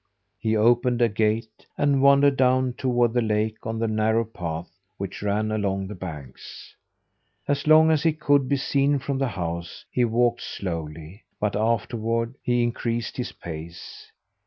He opened a gate, and wandered down toward the lake on the narrow path which ran along the banks. As long as he could be seen from the house, he walked slowly; but afterward he increased his pace.